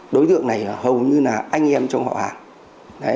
đối tượng này là hầu như là anh em trong họ hàng